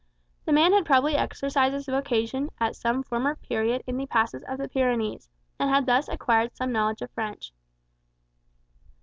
The man had probably exercised his vocation at some former period in the passes of the Pyrenees, and had thus acquired some knowledge of French.